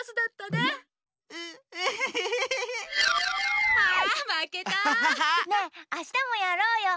ねえあしたもやろうよ。